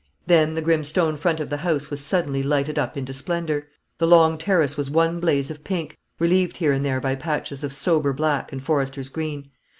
Then the grim stone front of the house was suddenly lighted up into splendour. The long terrace was one blaze of "pink," relieved here and there by patches of sober black and forester's green.